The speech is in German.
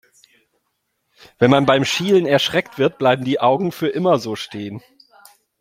Wenn man beim Schielen erschreckt wird, bleiben die Augen für immer so stehen.